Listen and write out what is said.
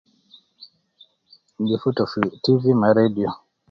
Gifutu fi TV ma radio